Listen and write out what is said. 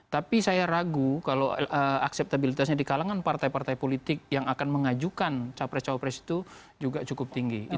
tapi saya ragu kalau akseptabilitasnya di kalangan partai partai politik yang akan mengajukan capres capres itu juga cukup tinggi